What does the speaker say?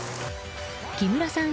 木村さん